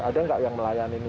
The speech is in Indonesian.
ada nggak yang melayani ini